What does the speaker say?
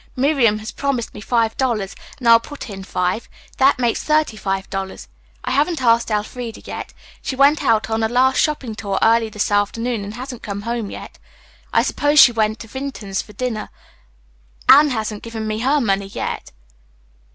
Miriam has promised me five dollars and I will put in five. That makes thirty five dollars. I haven't asked Elfreda yet. She went out on a last shopping tour early this afternoon and hasn't come home yet. I suppose she went to Vinton's for dinner. Anne hasn't given me her money yet."